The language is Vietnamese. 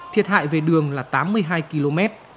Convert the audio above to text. thiệt hại về đường là tám mươi hai km